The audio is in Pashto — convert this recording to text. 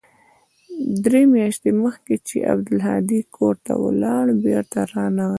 درې مياشتې مخکې چې عبدالهادي کور ته ولاړ بېرته رانغى.